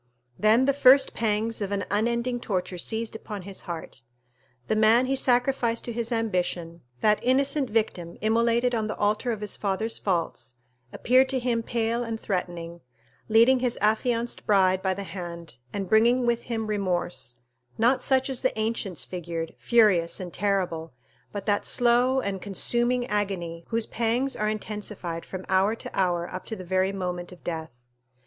Then the first pangs of an unending torture seized upon his heart. The man he sacrificed to his ambition, that innocent victim immolated on the altar of his father's faults, appeared to him pale and threatening, leading his affianced bride by the hand, and bringing with him remorse, not such as the ancients figured, furious and terrible, but that slow and consuming agony whose pangs are intensified from hour to hour up to the very moment of death.